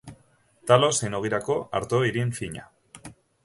Talo zein ogirako arto irin fina.